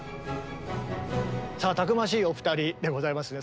さあたくましいお二人でございますね。